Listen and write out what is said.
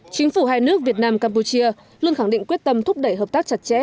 chính phủ hai nước việt nam campuchia luôn khẳng định quyết tâm thúc đẩy hợp tác chặt chẽ